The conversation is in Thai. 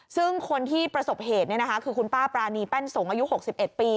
ซึ่งคนที่ประสบเหตุคือคุณป้าปรานีแป้นสงฆ์อายุ๖๑ปี